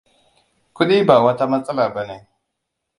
Kuɗi ba wata matsala bane.